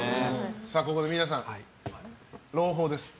ここで皆さん、朗報です。